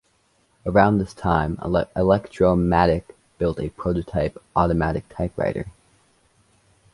Around this time, Electromatic built a prototype automatic typewriter.